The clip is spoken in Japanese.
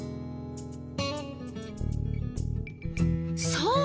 そう。